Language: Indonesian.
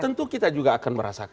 tentu kita juga akan merasakan